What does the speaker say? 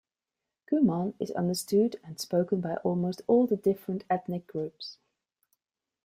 Kuman is understood and spoken by almost all the different ethnic groups.